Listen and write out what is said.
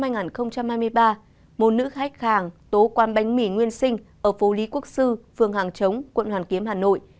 năm hai nghìn hai mươi ba một nữ khách hàng tố quan bánh mì nguyên sinh ở phố lý quốc sư phường hàng chống quận hoàn kiếm hà nội